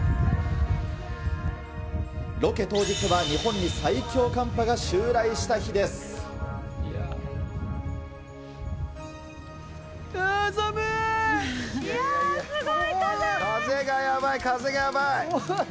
ロケ当日は日本に最強寒波が襲来した日です。